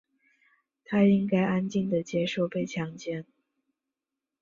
她应该安静地接受被强奸。